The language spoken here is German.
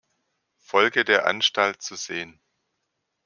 Folge der "Anstalt" zu sehen.